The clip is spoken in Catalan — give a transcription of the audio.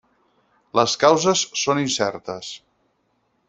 Les causes són incertes.